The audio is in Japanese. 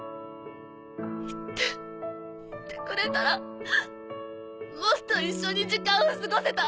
言って言ってくれたらもっと一緒に時間を過ごせた。